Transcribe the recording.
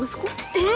えっ！